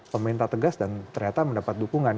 pemerintah tegas dan ternyata mendapat dukungan